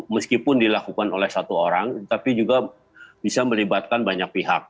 meskipun dilakukan oleh satu orang tapi juga bisa melibatkan banyak pihak